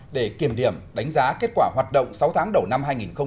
để kiểm điểm đánh giá kết quả hoạt động sáu tháng đầu năm hai nghìn một mươi chín